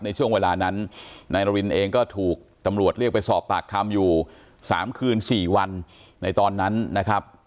ในช่วงเวลานั้นนายนารินเองก็ถูกตำรวจเรียกไปสอบปากคำอยู่๓คืน๔วันในตอนนั้นนะครับ